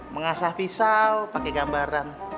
mengasah pisau pake gambaran